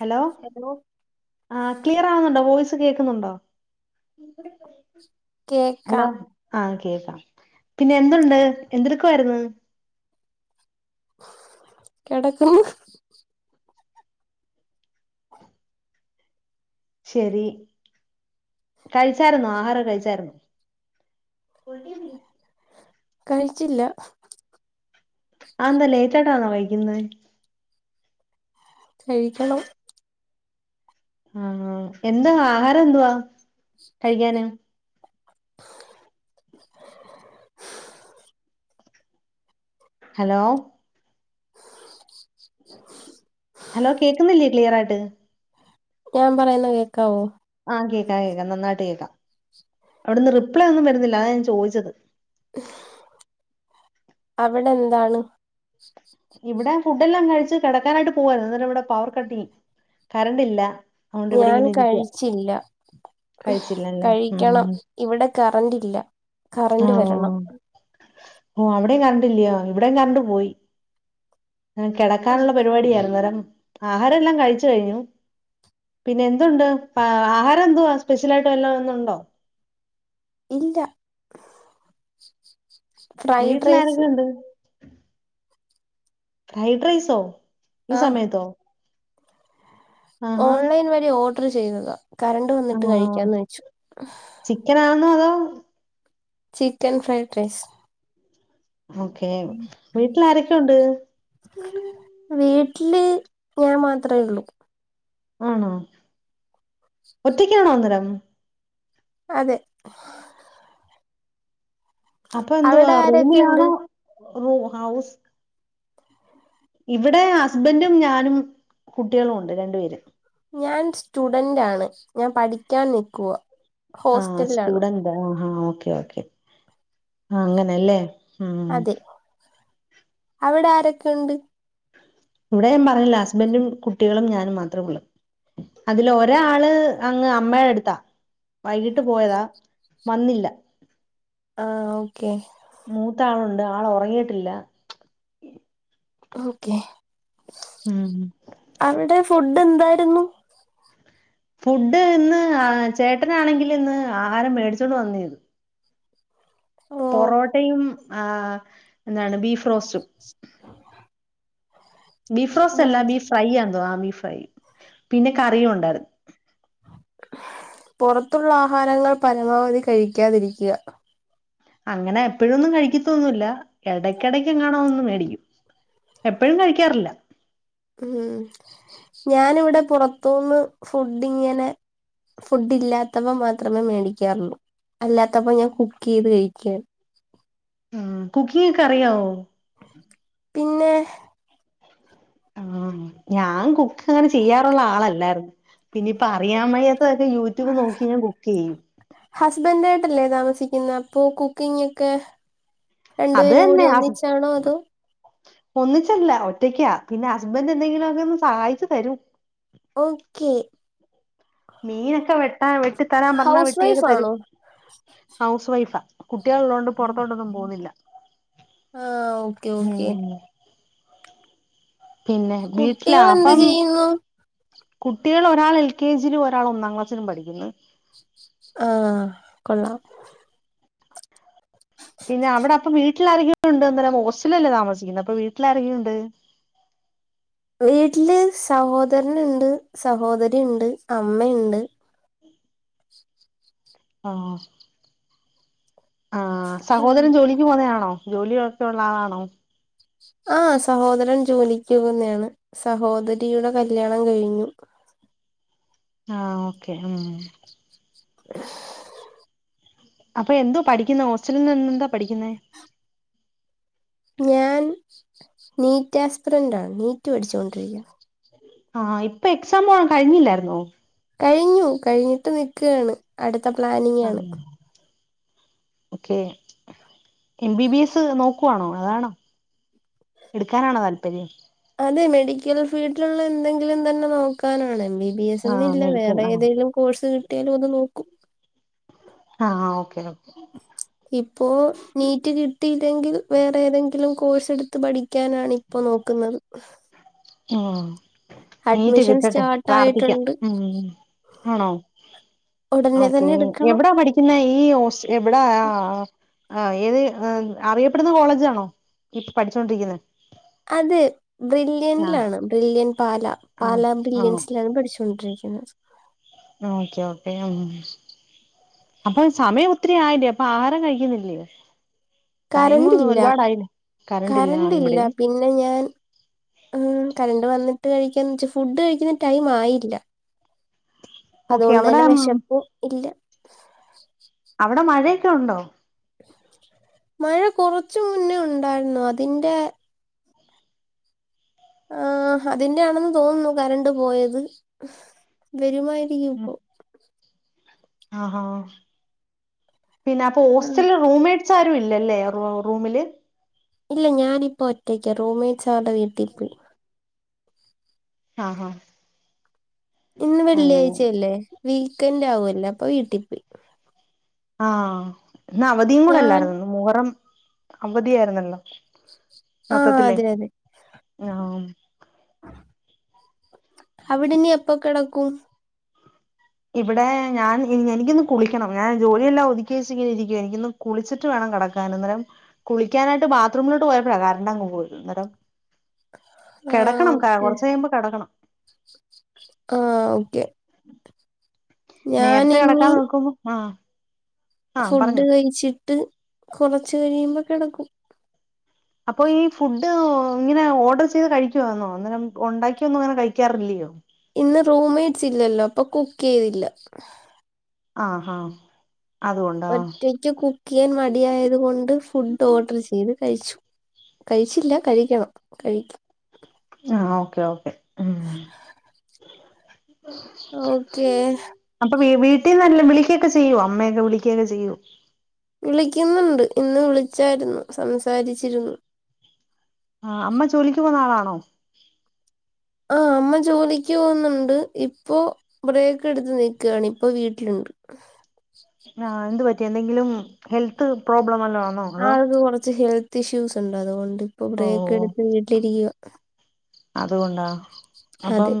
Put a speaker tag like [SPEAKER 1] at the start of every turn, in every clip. [SPEAKER 1] Hello ആ clear ആണെണ്ടോ voice കേൾക്കുന്നുണ്ടോ
[SPEAKER 2] കേക്കാം
[SPEAKER 1] ഹലോ ആഹ കേൾക്കാം പിന്നെ എന്തുണ്ട് എന്ത്‌ടക്കയിരുന്നു
[SPEAKER 2] കിടക്കുന്നു
[SPEAKER 1] ശരി കഴിച്ചായിരന്നോ ആഹാരം കഴിച്ചായിരുന്നോ
[SPEAKER 2] കഴിച്ചില്ല
[SPEAKER 1] ആ എന്താ ലേറ്റ് ആയിട്ടാന്നോ കഴിക്കുന്നത്
[SPEAKER 2] കഴിക്കണം
[SPEAKER 1] ആഹ് എന്താ ആഹാരം എന്തുവാ കഴിക്കാന് ഹലോ
[SPEAKER 2] [unintelligible]
[SPEAKER 1] ഹലോ കേക്കുന്നില്ലേ ക്ലിയർ ആയിട്ട്
[SPEAKER 2] ഞാൻ പറയുന്ന കേക്കാവോ
[SPEAKER 1] ആഹ് കേക്കാം കേക്കാം നന്നായിട്ട് കേക്കാം അവിടുന്ന് റിപ്ലൈ ഒന്നും വരുന്നില്ല അതാ ഞാൻ ചോദിച്ചത്
[SPEAKER 2] [unintelligible] അവിടെ എന്താണ്
[SPEAKER 1] ഇവിടെ ഫുഡ് എല്ലാം കഴിച്ച് കിടക്കാനായിട്ട് പോവരുന്നു എനിട്ട് ഇവിടെ പവർ കട്ടിങ് കറണ്ട് ഇല്ല അതുകൊണ്ട് ഇവിടെ
[SPEAKER 2] ഞാൻ
[SPEAKER 1] ഇങ്ങനെ ഇരിക്കുക
[SPEAKER 2] കഴിച്ചില്ല
[SPEAKER 1] കഴിച്ചില്ലല്ലേ
[SPEAKER 2] കഴിക്കണം
[SPEAKER 1] ഉം
[SPEAKER 2] ഇവിടെ കറന്റ് ഇല്ല
[SPEAKER 1] ആ
[SPEAKER 2] കറന്റ്
[SPEAKER 1] ഓ
[SPEAKER 2] വരണം
[SPEAKER 1] ഓ അവിടെയും കണ്ടില്ലയോ ഇവിടയും കറണ്ട് പോയി കിടക്കാനുള്ള പരിപാടിയായിരുന്നു അന്നേരം ആഹാരം എല്ലാം കഴിച്ച് കഴിഞ്ഞു പിന്നെ എന്തുണ്ട് ആഹാരം എന്തുവാ സ്പെഷ്യൽ ആയിട്ട് വല്ലാം ഇന്ന്ണ്ടോ
[SPEAKER 2] ഇല്ല ഫ്രൈഡ്
[SPEAKER 1] വീട്ടിൽ ആരൊക്കെ
[SPEAKER 2] റൈസ്
[SPEAKER 1] ഉണ്ട് ഫ്രൈഡ് റൈസോ ഈ
[SPEAKER 2] ആഹ്
[SPEAKER 1] സമയത്തോ ആഹാ
[SPEAKER 2] ഓൺലൈൻ വഴി ഓർഡർ ചെയ്തതാ കറണ്ട് വന്നിട്ട് കഴിക്കാന്ന് വെച്ചു
[SPEAKER 1] ചിക്കനാന്നോ അതോ
[SPEAKER 2] ചിക്കൻ ഫ്രൈഡ് റൈസ്
[SPEAKER 1] ഓക്കെ വീട്ടിൽ ആരൊക്കെ ഉണ്ട്
[SPEAKER 2] വീട്ടില് ഞാൻ മാത്രേ ഒള്ളൂ
[SPEAKER 1] ആണോ ഒറ്റക്കാണോ അന്നേരം
[SPEAKER 2] അതെ
[SPEAKER 1] അപ്പൊ എന്തുവാ
[SPEAKER 2] അവിടെ ആരൊക്കെയുണ്ട്
[SPEAKER 1] റൂമിലാണോ റൂ ഹൗസ് ഇവിടെ ഹസ്ബൻറും ഞാനും കുട്ടികളും ഉണ്ട് രണ്ടു പേര്
[SPEAKER 2] ഞാൻ സ്റ്റുഡൻറ് ആണ് ഞാൻ പഠിക്കാൻ നിക്കുവാ
[SPEAKER 1] ആഹ്
[SPEAKER 2] ഹോസ്റ്റലിലാണ്
[SPEAKER 1] സ്റ്റൂഡന്റ് ആഹ്ഓക്കെ ഓക്കെ ആ അങ്ങനെല്ലേ ഉം
[SPEAKER 2] അതെ അവിടെ ആരൊക്കെ യുണ്ട്
[SPEAKER 1] ഇവിടെ ഞൻ പറഞ്ഞില്ല ഹസ്ബൻഡും കുട്ടികളും ഞാനും മാത്രമേ ഒള്ളൂ അതില് ഒരാരാള് അങ്ങ് അമ്മയുടെ അടുത്താ വൈകിട്ട് പോയതാ വന്നില്ല
[SPEAKER 2] ആഹ് ഓക്കെ
[SPEAKER 1] മൂത്ത ആളുണ്ട് ആൾ ഉറങ്ങിയിട്ടില്ല
[SPEAKER 2] ഓക്കെ
[SPEAKER 1] ഉം
[SPEAKER 2] അവിടെ ഫുഡ് എന്തായിരുന്നു
[SPEAKER 1] ഫുഡ് ഇന്ന് ചേട്ടനാണെങ്കിൽ ഇന്ന് ആഹാരം മേടിച്ചോണ്ട് വന്നേതു
[SPEAKER 2] ഓ
[SPEAKER 1] പൊറോട്ടയും ആഹ് എന്താണ് ബീഫ് റോസ്റ്റും ബീഫ് റോസ് അല്ല
[SPEAKER 2] ആഹ്
[SPEAKER 1] ബീഫ് ഫ്രൈ ആന്തോ ആ ബീഫ് ഫ്രൈ പിന്നെ കറിയും ഉണ്ടായിരുന്നു
[SPEAKER 2] പുറത്തുള്ള ആഹാരങ്ങൾ പരമാവധി കഴിക്കാതിരിക്കുക
[SPEAKER 1] അങ്ങനെ എപ്പോഴുന്നും കഴിക്കത്തൊന്നുമില്ല ഇടക്കിടക്ക് ങ്ങാണും ഒന്നു മേടിക്കും എപ്പോഴും കഴിക്കാറില്ല
[SPEAKER 2] ഉം ഞാനിവിടെ പുറത്തുന്ന് ഫുഡ് ഇങ്ങനെ ഫുഡ് ഇല്ലാത്തപ്പോ മാത്രമേ മേടിക്കാറുള്ളൂ അല്ലാത്തപ്പോ ഞാൻ കുക്ക് ചെയ്ത് കഴിക്കുകയാണ്
[SPEAKER 1] ഉം കുക്കിംഗ് ഒക്കെ അറിയാവോ
[SPEAKER 2] പിന്നെ
[SPEAKER 1] ആഹ് ഞാൻ കുക്ക് അങ്ങനെ ചെയ്യാറുള്ള ആളല്ലായിരുന്നു പിന്നിപ്പ അറിയാൻവയ്യാത്തതൊക്കെ യൂട്യൂബ് നോക്കി ഞാൻ കുക്ക് ചെയ്യും
[SPEAKER 2] ഹസ്ബൻഡ് ആയിട്ടല്ലേ താമസിക്കുന്നേ അപ്പൊ കുക്കിംഗ് ഒക്കെ രണ്ടു
[SPEAKER 1] അത്
[SPEAKER 2] പേരും കൂടി
[SPEAKER 1] തന്നെ ഹസ്
[SPEAKER 2] ഒന്നിച്ചാണോ അതോ
[SPEAKER 1] ഒന്നിച്ചല്ല ഒറ്റയ്ക്കാ പിന്നെ ഹസ്ബൻഡ് എന്തെങ്കിലും ഒക്കെ ഒന്ന് സഹായിച്ചു തരും
[SPEAKER 2] ഓക്കെ
[SPEAKER 1] മീനൊക്കെ വെട്ടാ വെട്ടി തരാൻ പറഞ്ഞാ
[SPEAKER 2] ഹൗസ്
[SPEAKER 1] വെട്ടിയൊക്കെ
[SPEAKER 2] വൈഫ്
[SPEAKER 1] തരും
[SPEAKER 2] ആണോ
[SPEAKER 1] ഹൗസ് വൈഫാ കുട്ടികൾ ഉള്ളോണ്ട് പൊറത്തോട്ടോന്നും പോന്നില്ല
[SPEAKER 2] ആഹ് ഓക്കെ ഓക്കെ
[SPEAKER 1] ഉം പിന്നെ
[SPEAKER 2] കുട്ടികൾ എന്ത് ചെയ്യുന്നു
[SPEAKER 1] കുട്ടികള് ഒരാള് എൽ കെ ജി യിലും ഒരാള് ഒന്നാം ക്ലാസ്സിലും പഠിക്കുന്നു
[SPEAKER 2] ആഹ് കൊള്ളാം
[SPEAKER 1] പിന്നെ അവിടെ അപ്പം വീട്ടില് ആരൊക്കെ ഉണ്ട് അന്നേരം ഹോസ്റ്റലല്ലേ താമസിക്കുന്നത് അപ്പൊ വീട്ടിൽ ആരൊക്കെ ഉണ്ട്
[SPEAKER 2] വീട്ടില് സഹോദരനുണ്ട് സഹോദരി ഇണ്ട് അമ്മ ഇണ്ട്
[SPEAKER 1] ആഹ് ആഹ് സഹോദരൻ ജോലി ക്കു പോന്നെ ആണോ ജോലി ഒക്കെ ഉള്ള ആളാണോ
[SPEAKER 2] ആഹ് സഹോദരൻ ജോലിക്കു പോന്നയാണ് സഹോദരിയുടെ കല്യാണം കഴിഞ്ഞു
[SPEAKER 1] ആഹ് ഓക്കെ ഉം അപ്പൊ എന്തുവാ പഠിക്കുന്നെ ഹോസ്റ്റലിൽ നിന്നെന്താ പഠിക്കുന്നേ
[SPEAKER 2] ഞാൻ നീറ്റ് ആസ്പിറൻറാണ് നീറ്റ് പഠിച്ചൊണ്ടിരിക്കുവാ
[SPEAKER 1] ആഹ് ഇപ്പൊ എക്സാമും കഴിഞ്ഞില്ലായിരുന്നോ
[SPEAKER 2] കഴിഞ്ഞു കഴിഞ്ഞിട്ട് നിൽക്കുകയാണ് അടുത്ത പ്ലാനിങ് ആണ്
[SPEAKER 1] ആഹ് okay M B B S നോക്കുവാണോ അതാണോ എടുക്കാനാണോ താല്പര്യം
[SPEAKER 2] അതെ മെഡിക്കൽ ഫീൽഡിൽിലുള്ള എന്തെങ്കിലും തന്നെ നോക്കാനാണ് എം ബി ബി എസ്ന്ന്
[SPEAKER 1] ആഹ്
[SPEAKER 2] ഇല്ല
[SPEAKER 1] മെഡിക്കൽ
[SPEAKER 2] വേറെ
[SPEAKER 1] ആഹ്
[SPEAKER 2] ഏതെങ്കിലും കോഴ്സ് കിട്ടിയാലും അത് നോക്കും
[SPEAKER 1] ആഹ് ഓക്കെ ഓക്കെ
[SPEAKER 2] ഇപ്പോ നീറ്റ് കിട്ടിയില്ലെങ്കിൽ വേറെ ഏതെങ്കിലും കോഴ്സ് എടുത്ത് പഠി ക്കാനാണ് ഇപ്പോ നോക്കുന്നത്
[SPEAKER 1] ആ നീറ്റ്
[SPEAKER 2] അഡ്മിഷൻ
[SPEAKER 1] കിട്ടട്ടെ
[SPEAKER 2] സ്റ്റാർട്ട്
[SPEAKER 1] പ്രാർത്ഥിക്കാം
[SPEAKER 2] ആയിട്ടുണ്ട്
[SPEAKER 1] ഉം ആണോ
[SPEAKER 2] ഉടനെ
[SPEAKER 1] ഓക്കെ
[SPEAKER 2] തന്നെ എടുക്കണം
[SPEAKER 1] എവിടാ പഠിക്കുന്നേ ഈ ഹോസ് എവിടാ ആ ആ ആ ഇത് അറിയപ്പെടുന്ന കോളേജാണോ ഇപ്പം പഠിച്ചോണ്ടിരിക്കുന്നേ
[SPEAKER 2] അതെ
[SPEAKER 1] ആഹ്
[SPEAKER 2] ബ്രില്യൻലാണ് ബ്രില്യൺ പാല പാല
[SPEAKER 1] ആഹ് ആഹ്
[SPEAKER 2] ബ്രില്യൻസിലാണ് പഠിച്ചൊണ്ടിരിക്കുന്നത്
[SPEAKER 1] ഓക്കെ ഓക്കെ ഉം അപ്പൊ സമയം ഒത്തിരി ആയില്ലേ അപ്പൊ ആഹാരം കഴിക്കുന്നില്ലേ
[SPEAKER 2] കരന്റ് ല്ല
[SPEAKER 1] കറണ്ട് ഇല്ല
[SPEAKER 2] കരന്റ്ല്ല
[SPEAKER 1] ഇവിടെയും
[SPEAKER 2] പിന്നെ ഞാൻ ഉം കരന്റ് വന്ന്ട്ട് കഴിക്കാന്ന് ച്ചു ഫുഡ് കഴിക്കുന്ന ടൈമായില്ല
[SPEAKER 1] ഓക്കെ അവിടെ
[SPEAKER 2] അതോണ്ടെന്നെ വെശപ്പും ഇല്ല
[SPEAKER 1] അവടെ മഴയൊക്കെ ഉണ്ടോ
[SPEAKER 2] മഴ കൊറച്ച് മുന്നേ ഉണ്ടായിരുന്നു അതിന്റെ ആ അതിന്റെ ആണെന്ന് തോന്നുന്നു കരന്റ് പോയത് വെരുമായി
[SPEAKER 1] ഉം ആഹ പിന്നപ്പൊ
[SPEAKER 2] ആ.
[SPEAKER 1] ഹോസ്റ്റല്ല് റൂംമേറ്റ്സാരും ഇല്ലല്ലേ റൂമില്
[SPEAKER 2] ഇല്ല ഞാനിപ്പോ ഒറ്റയ്ക്ക റൂംമേറ്റ്സ് അവര്ടെ വീട്ടിപ്പോയി
[SPEAKER 1] ആ ആ
[SPEAKER 2] ഇന്ന് വെള്ളിയാഴ്ചയല്ലേ വീക്കെന്റാവല്ലേ അപ്പൊ വീട്ടി പോയി
[SPEAKER 1] ആ ഇന്ന് അവധിയും
[SPEAKER 2] ഞാൻ
[SPEAKER 1] കൂടെല്ലായിരുന്നോ മുഹറം അവധിയായിരുന്നല്ലോ
[SPEAKER 2] ആ
[SPEAKER 1] മൊത്തത്തിലേ
[SPEAKER 2] അതെ അതെ
[SPEAKER 1] ആഹ്
[SPEAKER 2] അവടെനി എപ്പൊ കെടക്കും
[SPEAKER 1] ഇവടെ ഞാൻ എനിക്കൊന്ന് കുളിക്കണം ഞാൻ ജോലിയെല്ലാം ഒതുക്യെച്ച് ങ്ങനെ ഇരിക്ക എനിക്കൊന്ന് കുളിച്ചിട്ട് വേണം കെടക്കാൻ അന്നേരം കുളിക്കാനായിട്ട് ബാത്റൂമിലോട്ട് പോയപ്പോഴ കറന്റ‌ങ് പോയി അന്നേരം
[SPEAKER 2] ആഹ്
[SPEAKER 1] കെടക്കണം
[SPEAKER 2] ഓക്കെ
[SPEAKER 1] കൊർച്ചയ്യുമ്പോ കെടക്കണം
[SPEAKER 2] ആ ഓക്കെ
[SPEAKER 1] നേരത്തെ
[SPEAKER 2] ഞാനിനി
[SPEAKER 1] കെടക്കാൻ നോക്കുമ്പോ ആ
[SPEAKER 2] ഫുഡ് കഴിച്ചിട്ട് കുറച്ച് കഴിയുമ്പോ കെടക്കും
[SPEAKER 1] അപ്പൊ ഈ ഫുഡ് ഇങ്ങനെ ഓഡർ ചെയ്ത് കഴിക്കുവാന്നോ അന്നേരം ഒണ്ടാക്ക്യോന്നും അങ്ങനെ കഴിക്കാറില്ല്യോ
[SPEAKER 2] ഇന്ന് റൂം മേറ്റ്സ് ല്ലല്ലോ അപ്പൊ കുക്കെയ്തില്ല
[SPEAKER 1] ആ ഹ ഹ
[SPEAKER 2] ഒറ്റയ്ക്ക് കുക്കെയ്യാൻ മടിയായത് കൊണ്ട് ഫുഡോഡർ ചെയ്ത് കഴിച്ചു കഴിച്ചില്ല കഴിക്കണം കഴി
[SPEAKER 1] ആ ഓക്കെ ഓക്കെ ഉം
[SPEAKER 2] ഓക്കെ
[SPEAKER 1] അപ്പൊ വീട്ടീന്നാരെങ്കിലും വിളിക്ക്യോക്കെ ചെയ്യോ അമ്മയൊക്കെ വിളിക്ക്യോക്കെ ചെയ്യോ
[SPEAKER 2] വിളിക്കുന്നുണ്ട് ഇന്ന് വിളിച്ചായിരുന്നു സംസാരിച്ചിരുന്നു
[SPEAKER 1] ആ അമ്മ ജോലിക്ക് പോന്ന ആളാണോ
[SPEAKER 2] ആ അമ്മ ജോലിക്ക് പോന്ന്ണ്ട് ഇപ്പോ ബ്രേക്കെട്ത്ത് നിക്കാണ് ഇപ്പൊ വീട്ട്ല്ണ്ട്
[SPEAKER 1] ആ എന്ത് പറ്റി എന്തെങ്കിലും ഹെൽത്ത് പ്രോബ്ലം വല്ലോ
[SPEAKER 2] ആൾക്ക് കൊർച്ച് ഹെൽത്ത് ഇഷ്യൂസ്ണ്ട് അതോണ്ട്ണ്ട് ഇപ്പൊ ബ്രേക്കെട്ത്ത് വീട്ടിലിരിക്കുവ
[SPEAKER 1] അത്കൊണ്ടാ
[SPEAKER 2] അതെ
[SPEAKER 1] അപ്പം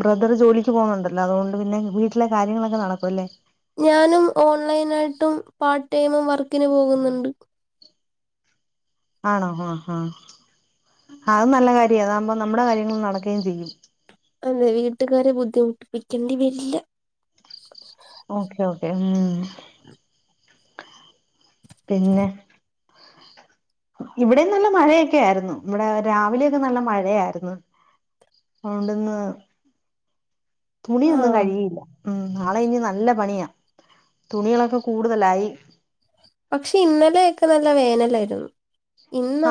[SPEAKER 1] ബ്രദർ ജോലിക്ക് പോകുന്നുണ്ടല്ലോ അതോണ്ട് പിന്നെ വീട്ടിലെ കാര്യങ്ങളൊക്കെ നടക്കുല്ലേ
[SPEAKER 2] ഞാനും ഓൺലൈനായിട്ടും പാർട്ട് ടൈമും വർക്കിന് പോക്ന്ന്ണ്ട്
[SPEAKER 1] ആണോ ഹ ഹ അതും നല്ല കാര്യ അതാകുമ്പോ നമ്മുടെ കാര്യങ്ങളും നടക്കേം ചെയ്യും
[SPEAKER 2] അതെ വീട്ടുകാരെ ബുദ്ധിമുട്ടിപ്പിക്കേണ്ടി വെരില്ല
[SPEAKER 1] ഓക്കേ ഓക്കേ ഉം പിന്നെ ഇവിടേം നല്ല മഴയൊക്കായിര്ന്നു ഇവിടെ രാവിലെയൊക്കെ നല്ല മഴയായിര്ന്നു അതോണ്ട്ന്ന് തുണിയൊന്നും
[SPEAKER 2] ആഹ്
[SPEAKER 1] കഴുകിയില്ല ഉം നാളെ ഇനി നല്ല പണിയാ തുണികളൊക്കെ കൂടുതലായി
[SPEAKER 2] പക്ഷെ ഇന്നലെയൊക്കെ നല്ല വേനലായിരുന്നു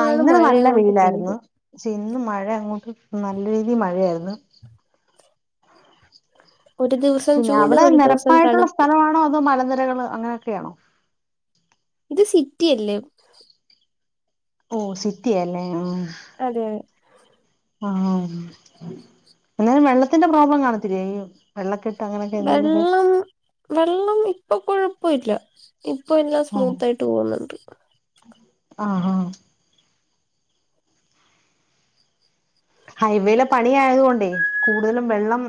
[SPEAKER 1] ആഹ് ഇന്നലെ
[SPEAKER 2] മഴ
[SPEAKER 1] നല്ല
[SPEAKER 2] അങ്ങോട്ട് പെയ്ത്
[SPEAKER 1] വെയിലായിരുന്നു പക്ഷെ ഇന്ന് മഴ അങ്ങോട്ട് നല്ല രീതി മഴയാരുന്നു
[SPEAKER 2] ഒരു ദിവസം
[SPEAKER 1] ഇല്ല
[SPEAKER 2] ചൂട്
[SPEAKER 1] അവിടെ
[SPEAKER 2] ഒരു ദിവസം
[SPEAKER 1] നിരപ്പായിട്ടുള്ള
[SPEAKER 2] തണുപ്പ്
[SPEAKER 1] സ്ഥലവാണോ അതോ മലനിരകള് അങ്ങനെയൊക്കെയാണോ
[SPEAKER 2] ഇത് സിറ്റി അല്ലേ
[SPEAKER 1] ഓഹ് സിറ്റിയ അല്ലേ ഉം
[SPEAKER 2] അതെ
[SPEAKER 1] ആഹ് എന്നാലും വെള്ളത്തിന്റെ പ്രോബ്ലം കാണത്തില്ലേ ഇ വെള്ളക്കെട്ട് അങ്ങനെ
[SPEAKER 2] വെള്ളം വെള്ളം ഇപ്പൊ കൊഴപ്പില്ല ഇപ്പൊ എല്ലാം സ്മൂത്ത് ആയിട്ട് പോകുന്നുണ്ട്
[SPEAKER 1] ആഹ് ആഹ് ഹൈവേയിലെ പണി ആയതു കൊണ്ടേ കൂടുതലും വെള്ളം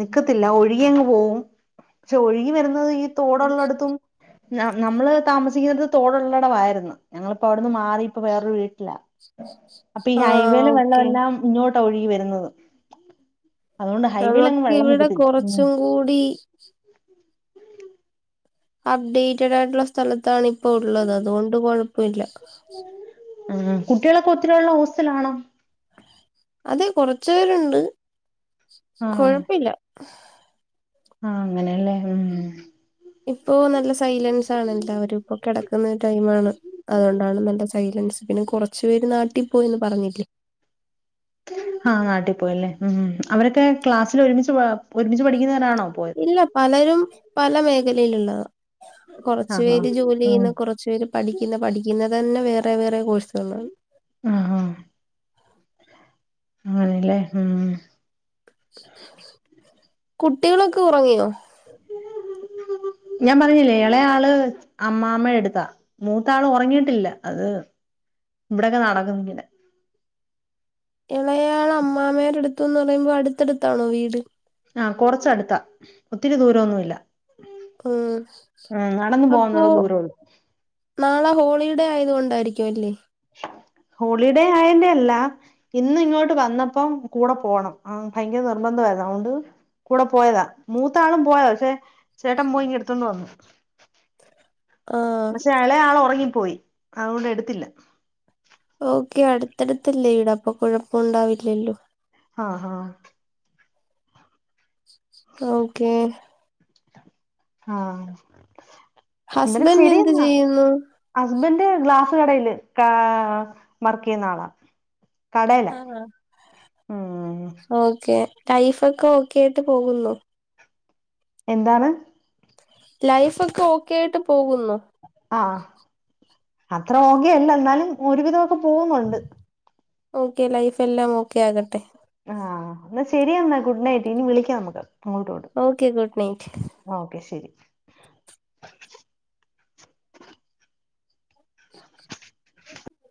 [SPEAKER 1] നിക്കത്തില്ല ഒഴുകി അങ്ങ് പോവും പക്ഷെ ഒഴുകി വരുന്നത് ഈ തോടുള്ളടുത്തും നമ്മള് താമസിക്കുന്ന തോടുള്ളടവായിരുന്നു ഞങ്ങളിപ്പോ അവിടുന്ന് മാറി ഇപ്പ വേറൊരു വീട്ടില അപ്പൊ ഈ
[SPEAKER 2] ആഹ്
[SPEAKER 1] ഹൈവേയിലെ വെള്ളം
[SPEAKER 2] ഓക്കെ
[SPEAKER 1] എല്ലാം ഇങ്ങോട്ടാ ഒഴുകി വരുന്നത് അതുകൊണ്ട് ഹൈവേയിൽ എങ്ങും
[SPEAKER 2] നമുക്ക്
[SPEAKER 1] വെള്ളം
[SPEAKER 2] ഇവിടെ
[SPEAKER 1] നിക്കത്തില്ല ഉം
[SPEAKER 2] കുറച്ചും കൂടി അപ്ഡേറ്റഡായിട്ടുള്ള സ്ഥലത്താണ് ഇപ്പ ഉള്ളത് അതുകൊണ്ട് കൊഴപ്പില്ല
[SPEAKER 1] ഉം കുട്ടികളൊക്കെ ഒത്തിരിയുള്ള ഹോസ്റ്റൽ ആണോ
[SPEAKER 2] അതെ കൊറചെരുണ്ട്
[SPEAKER 1] ആഹ്
[SPEAKER 2] കൊഴപ്പില്ല
[SPEAKER 1] ആഹ് അങ്ങനെയല്ലേ ഉം
[SPEAKER 2] ഇപ്പോ നല്ല സൈലൻസ് ആണല്ലാവരും കിടക്കുന്ന ടൈമാണ് അതുകൊണ്ടാണ് നല്ല സൈലൻസ് പിന്നെ കുറ പച്ച പേര് നാട്ടിൽ പോയന്ന് പറഞ്ഞില്ലേ
[SPEAKER 1] ആഹ് നാട്ടിൽ പോയല്ലേ ഉം അവരൊക്കെ ക്ലാസ്സിൽ ഒരുമിച്ച് ഒരുമിച്ച് പഠിക്കുന്നവരാണോ പോയത്
[SPEAKER 2] ഇല്ല പലരും പല മേഖലയിലുള്ളത് കൊറച്ചു
[SPEAKER 1] ആഹ് ആഹ്
[SPEAKER 2] പേര് ജോലി
[SPEAKER 1] ഉം
[SPEAKER 2] ചെയ്യുന്ന കുറച്ച് തച്ചൂർ പഠിക്കുന്ന പഠിക്കുന്നത് തന്നെ വേറെ വേറെ കോഴ്സുകളാണ്
[SPEAKER 1] ആഹ് ആഹ് അങ്ങനെയല്ലേ ഉം
[SPEAKER 2] കുട്ടികളൊക്കെ ഉറങ്ങിയോ
[SPEAKER 1] ഞാൻ പറഞ്ഞില്ലേ എളെ ആള് അമ്മ്മ എടുത്താ മൂത്താൾ ഉറങ്ങിയിട്ടില്ല അത് ഇവിടെൊക്കെ നടക്കുന്നു ഇങ്ങനെ
[SPEAKER 2] ഇളയാള അമ്മാമെടെ അടുത്തുന്ന് പറയുമ്പോ അടുത്തടുത്താണോ വീട്
[SPEAKER 1] ആഹ് കൊറച്ചടുത്താ ഒത്തിരി ദൂരംന്നുമല്ല
[SPEAKER 2] ഉം
[SPEAKER 1] ഉം നടന്ന
[SPEAKER 2] അപ്പോ
[SPEAKER 1] പോവാന്നള്ള ദൂരമ ഉള്ളൂ
[SPEAKER 2] നാളെ ഹോളിഡേ ആയത് കൊണ്ടായിരിക്കും അല്ലേ
[SPEAKER 1] ഹോളിഡേ ആയന്റെ അല്ല ഇന്ന് ഇങ്ങോട്ട് വന്നപ്പം കൂടെ പോണം ആഹ് ഭയങ്കര നിർബന്ധമായിരുന്നു അതുകൊണ്ട് കൂടെ പോയതാ മൂത്താളും പോയത പക്ഷേ ചേട്ടൻ പോയിങ്ക എടുത്തണ്ട് വന്നു
[SPEAKER 2] ആ
[SPEAKER 1] പക്ഷെ ഇളയാൾ ഉറങ്ങിപ്പോയി അതുകൊണ്ട് എടുത്തില്ല
[SPEAKER 2] ഓക്കെ അടുത്തടുത്തല്ലേ ഇടാ അപ്പൊ കുഴപ്പണ്ടാവില്ലല്ലോ
[SPEAKER 1] ആഹ
[SPEAKER 2] ഓക്കെ
[SPEAKER 1] ആഹ്
[SPEAKER 2] ഹസ്ബൻഡ് എന്ത് ചെയ്യുന്നു
[SPEAKER 1] ഹസ്ബൻഡ് ഗ്ലാസ് കടയില് വർക്ക് ചെയ്യുന്ന ആളാ കടെല
[SPEAKER 2] ആഹ്
[SPEAKER 1] ഉം
[SPEAKER 2] ഓക്കെ ടൈഫോക്കെ ഓക്കെ ആയിട്ട് പോകുന്നു
[SPEAKER 1] എന്താണ്
[SPEAKER 2] ലൈഫ് ഒക്കെ ഓക്കെയിട്ട് പോകുന്നോ
[SPEAKER 1] ആഹ് അത്ര ഓകെയല്ല എന്നാലും ഒരുവിധമൊക്കെ പോകുന്നുണ്ട്
[SPEAKER 2] ഓക്കെ ലൈഫ് എല്ലാം ഓക്കെ ആകട്ടെ
[SPEAKER 1] ആഹ് എന്നാൽ ശരി എന്നാൽ ഗുഡ് നൈറ്റ് ഇനി വിളിക്കാം നമുക്ക് അങ്ങോട്ടും ഇങ്ങോട്ടും
[SPEAKER 2] ഓക്കെ ഗുഡ് നൈറ്റ്
[SPEAKER 1] ഓക്കെ ശരി